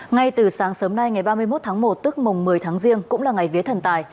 ngay từ sáng sớm nay ngày ba mươi một tháng một tức mồng một mươi tháng riêng cũng là ngày vía thần tài